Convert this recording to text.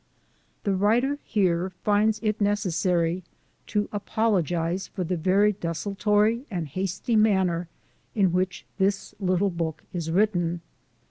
The writer here finds it necessary to apologize for the very desultory and hasty manner in which this little book is written.